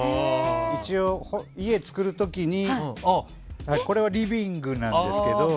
一応、家を造る時にこれはリビングなんですけど。